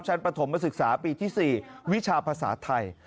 ประถมศึกษาปีที่๔วิชาภาษาไทย